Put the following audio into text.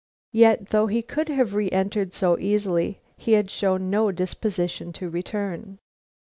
Yet, though he could have re entered so easily, he had shown no disposition to return.